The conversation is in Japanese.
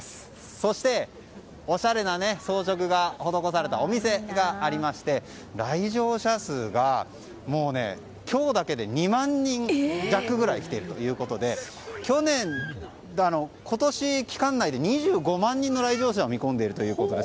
そして、おしゃれな装飾が施されたお店がありまして来場者数が、もう今日だけで２万人弱ぐらい来ているということで今年期間内で２５万人の来場者を見込んでいるということです。